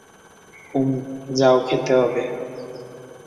হুম, জাউ খেতে হবে।